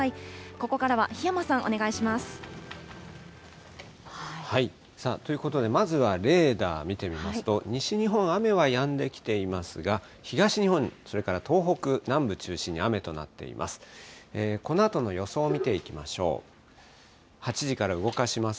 ここからは檜山さん、お願いしまということで、まずはレーダー見てみますと、西日本、雨はやんできていますが、東日本、それから東北南部中心に雨となっています。